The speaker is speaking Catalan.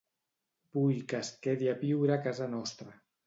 Vull que es quedi a viure a casa nostra.